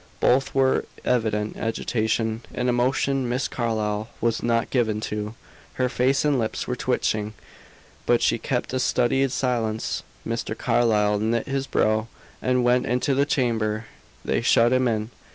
Both were in evident agitation, an emotion Miss Carlyle was not given to. Her face and lips were twitching, but she kept a studied silence. Mr. Carlyle knit his brow and went into the chamber. They shut him in.